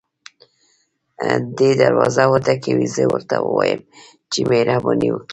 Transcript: دی دروازه وټکوي زه ورته ووایم چې مهرباني وکړئ.